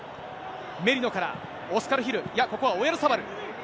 メリノからオスカル・ヒル、いや、ここはオヤルサバル。